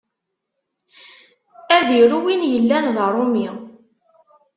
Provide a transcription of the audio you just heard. Ad iru win yellan d aṛumi.